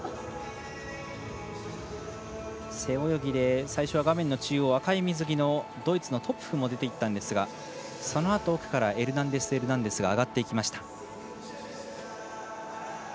背泳ぎで最初は画面の中央赤い水着のドイツのトプフも出ていったんですがそのあと、奥からエルナンデスエルナンデスが上がっていきました。